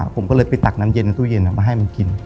ผมก็เลยไปตักน้ำเย็นในตู้เย็นมาให้มันกิน